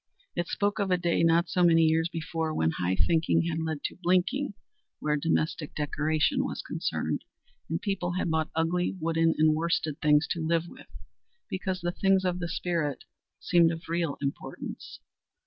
It spoke of a day, not so many years before, when high thinking had led to blinking where domestic decoration was concerned, and people had bought ugly wooden and worsted things to live with because only the things of the spirit seemed of real importance.